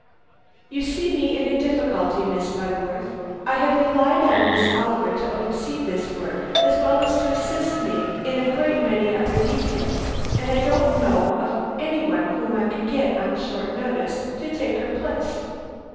"You see me in a difficulty, Miss Butterworth. I had relied on Miss Oliver to oversee this work, as well as to assist me in a great many other details, and I don't know of any one whom I can get on short notice to take her place.